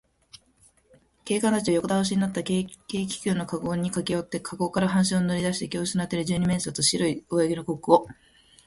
警官たちは横だおしになった軽気球のかごにかけよって、かごから半身を乗りだして気をうしなっている二十面相と、白い上着のコックとを、